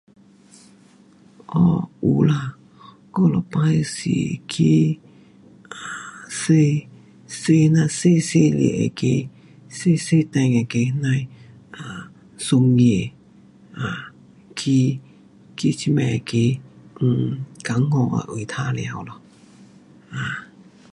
um 有啦，我每次是去 um 坐，坐那小小个那个，小小架那个那呐的 um 船儿，um 去，去这边那个 um 江下的位去玩耍咯。um